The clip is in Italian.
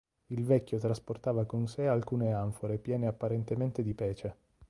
Il vecchio trasportava con se alcune anfore piene apparentemente di pece.